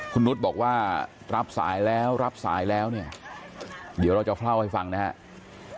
คุณนุษย์บอกว่ารับสายแล้วรับสายแล้วเนี่ยเดี๋ยวเราจะเล่าให้ฟังนะครับ